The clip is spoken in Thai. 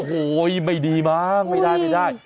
โอ้โฮไม่ดีมากไม่ได้